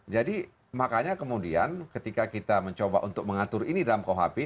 jadi makanya kemudian ketika kita mencoba untuk mengatur ini dalam khp